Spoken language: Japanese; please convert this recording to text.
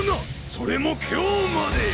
それも今日まで！